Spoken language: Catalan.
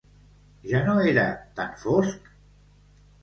Ja no era tan fosc?